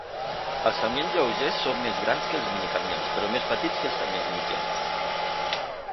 Els camions lleugers són més grans que els minicamions, però més petits que els camions mitjans.